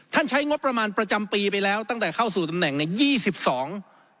ท่านใช้งบประมาณประจำปีไปแล้วตั้งแต่เข้าสู่ตำแหน่ง๒๒